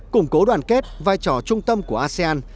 củng cố đoàn kết vai trò trung tâm của asean